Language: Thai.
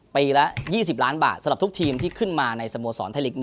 ปีละ๒๐ล้านบาทสำหรับทุกทีมที่ขึ้นมาในสโมสรไทยลีก๑